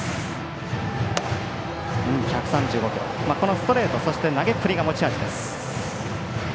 ストレート、そして投げっぷりが持ち味です。